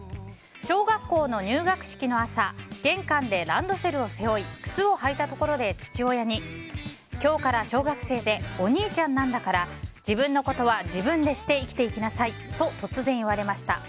小学校の入学式の朝、玄関でランドセルを背負い靴を履いたところで父親に、今日から小学生でお兄ちゃんなんだから自分のことは自分でして生きていきなさいと突然言われました。